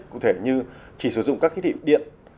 cụ thể như chỉ sử dụng các thiết bị điện